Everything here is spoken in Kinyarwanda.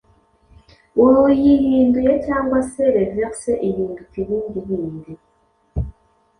uyihinduye cyangwa se Reverse ihinduka ibindi bindi